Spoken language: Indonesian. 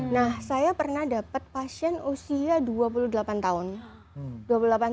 nah saya pernah dapat pasien usia dua puluh delapan tahun